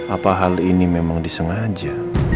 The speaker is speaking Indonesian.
apa hal ini memang disengaja